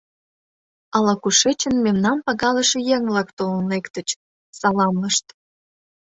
Ала-кушечын мемнам пагалыше еҥ-влак толын лектыч, саламлышт.